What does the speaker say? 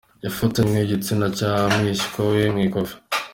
Yafatanwe igitsina cya mwishywa we mu ikofi